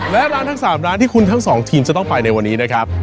และร้านทั้ง๓ร้านที่คุณทั้งสองทีมจะต้องไปในวันนี้นะครับ